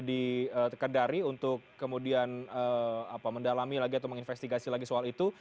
di kendari untuk kemudian mendalami lagi atau menginvestigasi lagi soal itu